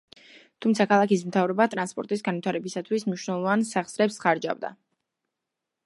თუმცა ქალაქის მთავრობა ტრანსპორტის განვითარებისთვის მნიშვნელოვან სახსრებს ხარჯავდა.